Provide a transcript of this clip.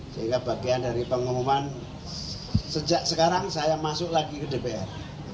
sehingga bagian dari pengumuman sejak sekarang saya masuk lagi ke dpr